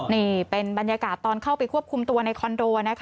นี่เป็นบรรยากาศตอนเข้าไปควบคุมตัวในคอนโดนะคะ